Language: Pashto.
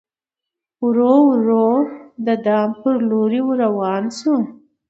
ورو په ورو د دام پر لوري ور روان سو